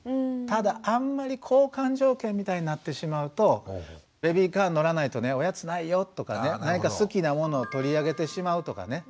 ただあんまり交換条件みたいになってしまうと「ベビーカーに乗らないとおやつないよ」とかね何か好きなものを取り上げてしまうとかね